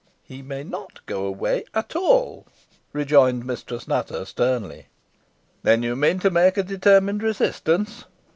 "He may not go away at all," rejoined Mistress Nutter, sternly. "Then you mean to make a determined resistance?"